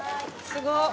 すごっ！